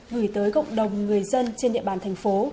gửi tới cộng đồng người dân trên địa bàn thành phố